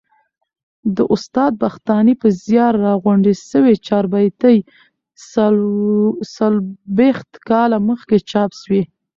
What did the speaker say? د استاد بختاني په زیار راغونډي سوې چاربیتې څلوبښت کال مخکي چاپ سوې.